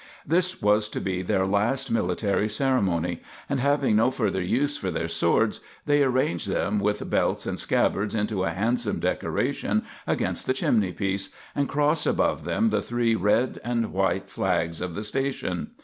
] This was to be their last military ceremony, and having no further use for their swords, they arranged them with belts and scabbards into a handsome decoration against the chimneypiece, and crossed above them the three red and white flags of the station.